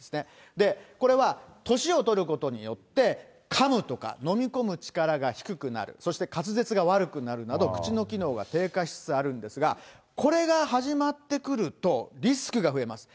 これは年をとることによって、かむとか飲み込む力が低くなる、そして滑舌が悪くなるなど、口の機能が低下しつつあるんですが、これが始まってくると、リスクが増えます。